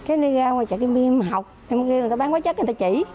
em đi ra ngoài chạy kinh nghiệm học em ghi người ta bán hóa chất người ta chỉ